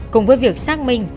cùng với việc xác minh